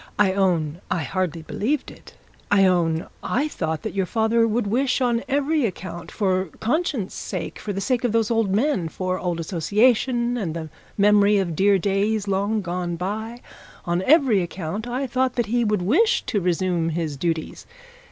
I own, I hardly believed it; I own, I thought that your father would wish on every account, for conscience' sake, for the sake of those old men, for old association, and the memory of dear days gone by, on every account I thought that he would wish to resume his duties.